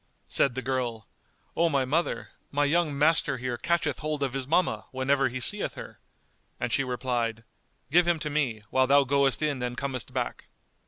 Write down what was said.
'" Said the girl, "O my mother, my young master here catcheth hold of his mamma, whenever he seeth her;" and she replied "Give him to me, whilst thou goest in and comest back."